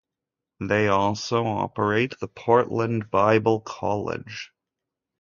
They also operate the Portland Bible College.